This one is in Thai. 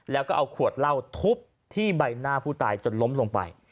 แล้วก็เอาขวดเหล้าทุบที่ใบหน้าผู้ตายจนล้มลงไป